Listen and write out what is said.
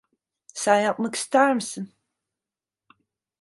Sen yapmak ister misin?